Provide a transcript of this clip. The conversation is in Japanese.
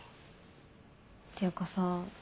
っていうかさ